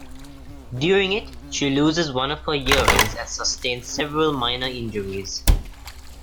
During it, she loses one of her earrings and sustains several minor injuries.